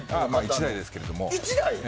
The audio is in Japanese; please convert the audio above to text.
１台ですけども。